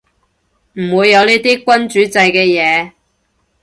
唔會有呢啲君主制嘅嘢